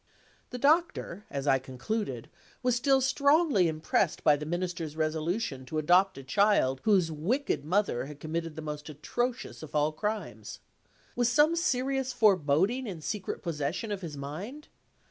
The Doctor (as I concluded) was still strongly impressed by the Minister's resolution to adopt a child whose wicked mother had committed the most atrocious of all crimes. Was some serious foreboding in secret possession of his mind?